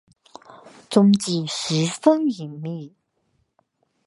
踪迹十分隐蔽。